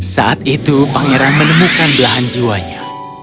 saat itu pangeran menemukan belahan jiwanya